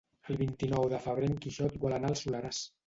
El vint-i-nou de febrer en Quixot vol anar al Soleràs.